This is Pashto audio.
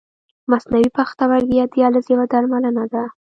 مصنوعي پښتورګی یا دیالیز یوه درملنه ده.